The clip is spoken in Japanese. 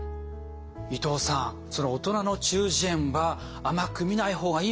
伊藤さんその大人の中耳炎は甘く見ない方がいいものもあるんですね。